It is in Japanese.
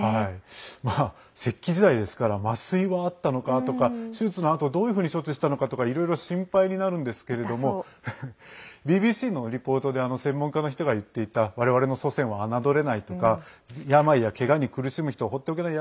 石器時代ですから麻酔はあったのかとか手術のあとどういうふうに処置したのかとかいろいろ心配になるんですけれどもＢＢＣのリポートで専門家の人が言っていた我々の祖先は侮れないとか病やけがに苦しむ人を放っておけない